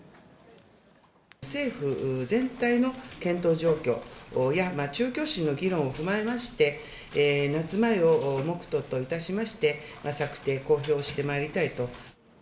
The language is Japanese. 政府全体の検討状況や、中教審の議論を踏まえまして、夏前を目途といたしまして、策定、公表してまいりたいと。